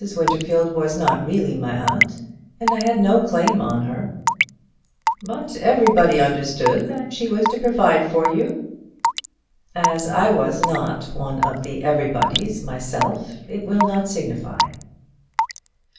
Winterfield was not really my aunt, and I had no claim on her." "But everybody understood that she was to provide for you." "As I was not one of the everybodies myself, it will not signify."